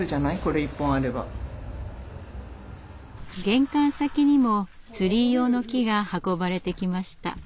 玄関先にもツリー用の木が運ばれてきました。